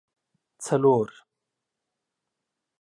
څلور